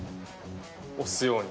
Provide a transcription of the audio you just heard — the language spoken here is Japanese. おすように。